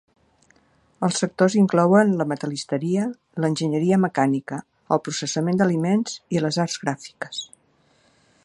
Els sectors inclouen la metal·listeria, l'enginyeria mecànica, el processament d'aliments i les arts gràfiques.